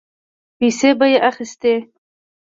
پيسې به يې اخيستې.